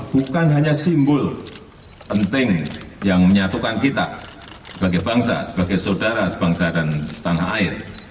bukan hanya simbol penting yang menyatukan kita sebagai bangsa sebagai saudara sebangsa dan setanah air